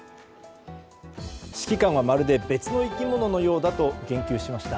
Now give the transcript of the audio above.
指揮官はまるで別の生き物のようだと言及しました。